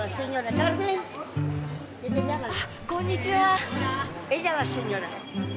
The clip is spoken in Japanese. ああこんにちは。